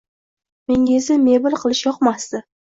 Menga esa mebel qilish yoqmasdi.